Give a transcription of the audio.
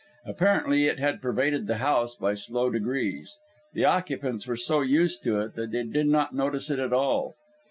Apparently it had pervaded the house by slow degrees. The occupants were so used to it that they did not notice it at all.